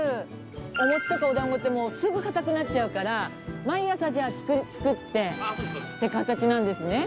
お餅とかお団子ってもうすぐ硬くなっちゃうから毎朝じゃあ作ってって形なんですね。